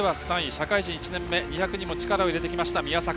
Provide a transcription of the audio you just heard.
社会人１年目、２００にも力を入れてきました、宮坂。